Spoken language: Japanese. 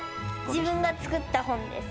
自分が作った本です。